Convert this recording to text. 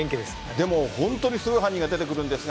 でも本当にすごい犯人が出てくるんですが。